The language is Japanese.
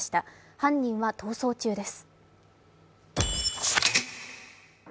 犯人は逃走中です。